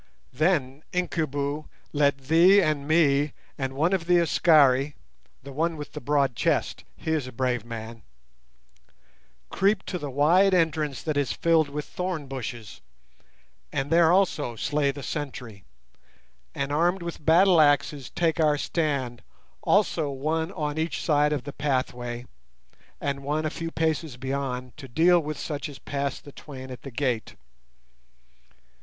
Then, Incubu, let thee and me and one of the Askari—the one with the broad chest—he is a brave man—creep to the wide entrance that is filled with thorn bushes, and there also slay the sentry, and armed with battle axes take our stand also one on each side of the pathway, and one a few paces beyond to deal with such as pass the twain at the gate.